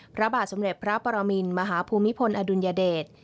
พระบาทสมเด็จพระปรมินมหาภูมิพลอดุลยเดช